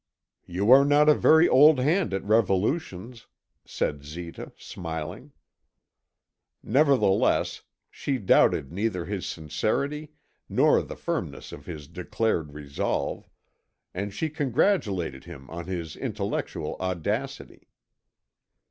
"You are not a very old hand at revolutions," said Zita, smiling. Nevertheless, she doubted neither his sincerity nor the firmness of his declared resolve, and she congratulated him on his intellectual audacity.